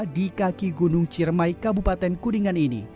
di kaki gunung ciremai kabupaten kuningan ini